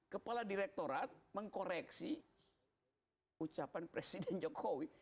kepala direktorat mengkoreksi ucapan presiden jokowi